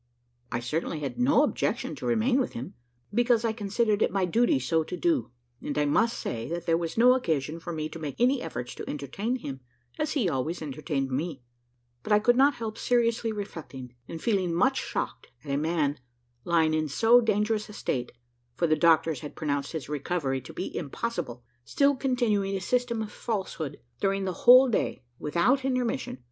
I certainly had no objection to remain with him, because I considered it my duty so to do, and I must say that there was no occasion for me to make any efforts to entertain him, as he always entertained me; but I could not help seriously reflecting, and feeling much shocked, at a man, lying in so dangerous a state for the doctors had pronounced his recovery to be impossible still continuing a system of falsehood during the whole day, without intermission.